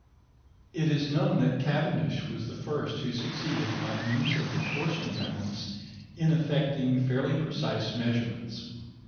It is known that Cavendish was the first who succeeded by means of the torsion balance in effecting fairly precise measurements.